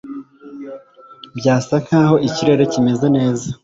Byasa nkaho ikirere kimeze neza